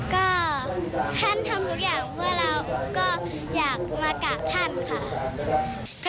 ก็ท่านทำทุกอย่างเพื่อเราก็อยากมากราบท่านค่ะ